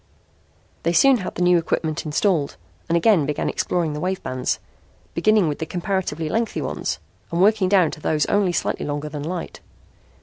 They soon had the new equipment installed and again began exploring the wave bands, beginning with the comparatively lengthy ones and working down into those only slightly longer than light.